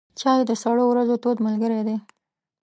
چای د سړو ورځو تود ملګری دی.